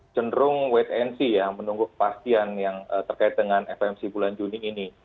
cenderung wait and see ya menunggu kepastian yang terkait dengan fmc bulan juni ini